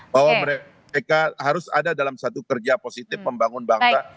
bahwa mereka harus ada dalam satu kerja positif membangun bangsa